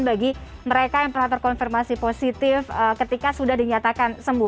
bagi mereka yang pernah terkonfirmasi positif ketika sudah dinyatakan sembuh